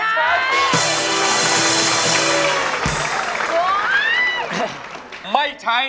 ใช้ใช้